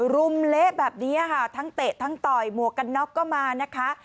รุมเละแบบนี้ค่ะทั้งเตะทั้งต่อยหมวกกันน็อกก็มานะคะ